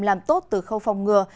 làm tốt từ khâu phòng ngừa